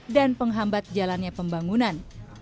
dan penghambat jalannya pembangunan